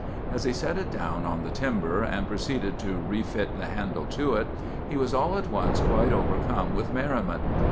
As he set it down on the timber, and proceeded to refit the handle to it, he was all at once quite overcome with merriment.